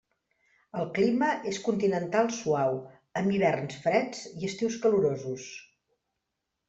El clima és continental suau, amb hiverns freds i estius calorosos.